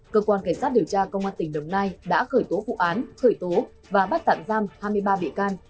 cơ quan cảnh sát điều tra công an tỉnh đồng nai đã khởi tố vụ án khởi tố và bắt tạm giam hai mươi ba bị can